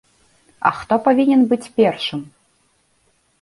А хто павінен быць першым?